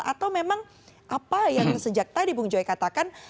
atau memang apa yang sejak tadi bung joy katakan